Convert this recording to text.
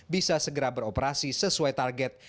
bisa segera beroperasi sesuai target